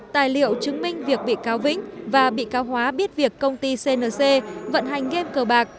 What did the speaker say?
tài liệu chứng minh việc bị cáo vĩnh và bị cáo hóa biết việc công ty cnc vận hành game cờ bạc